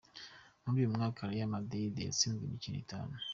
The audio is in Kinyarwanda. Muri uyu mwaka Real Madrid yatsinzwe imikino itanu.